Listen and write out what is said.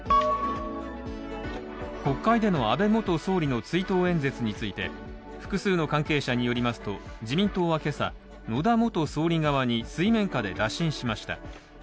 国会での安倍元総理の追悼演説について複数の関係者によりますと自民党は今朝、野田元総理側に水面下で打診しました。